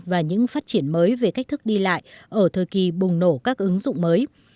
và những phát triển mới về cách thức đi lại ở thời kỳ bùng nổ các ứng dụng mới